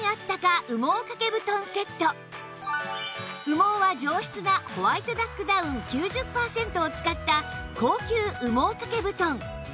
羽毛は上質なホワイトダックダウン９０パーセントを使った高級羽毛掛け布団